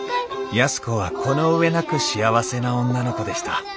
安子はこの上なく幸せな女の子でした。